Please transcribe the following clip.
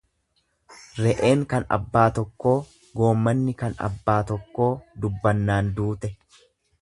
Re'een kan abbaa tokkoo goommanni kan abbaa tokkoo dubbannaan duute.